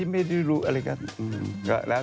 หยิบไปหลังจากไม่รู้